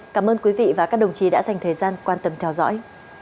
cảm ơn quý vị và các đồng chí đã dành thời gian quan tâm theo dõi